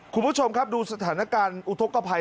คุณผู้ชมครับดูสถานการณ์อุทธกภัย